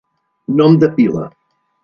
Nom de pila.